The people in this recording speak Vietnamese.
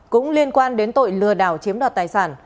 cũng liên quan đến tội lừa đảo chiếm đoạt tài sản